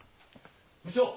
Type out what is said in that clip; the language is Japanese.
部長！